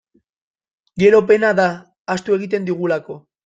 Gero, pena da, ahaztu egiten dugulako.